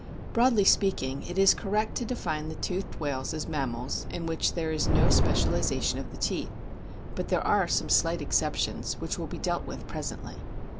Broadly speaking, it is correct to define the toothed whales as mammals in which there is no specialisation of the teeth ; but there are some slight exceptions, which will be dealt with presently.